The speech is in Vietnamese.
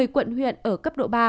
một mươi quận huyện ở cấp độ ba